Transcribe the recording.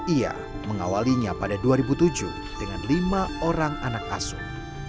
ia mengawalinya pada dua ribu tujuh dengan lima orang anak asuh